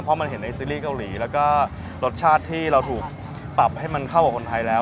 เพราะมันเห็นในซีรีส์เกาหลีแล้วก็รสชาติที่เราถูกปรับให้มันเข้ากับคนไทยแล้ว